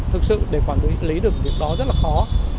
thực sự để quản lý được việc đó rất là khó